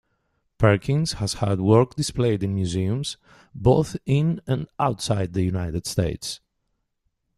Perkins has had work displayed in museums both in and outside the United States.